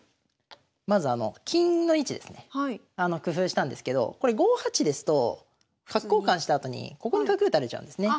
まずあの金の位置ですね工夫したんですけどこれ５八ですと角交換したあとにここに角打たれちゃうんですね。